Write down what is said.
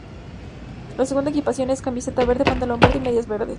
La segunda equipación es camiseta verde, pantalón verde y medias verdes.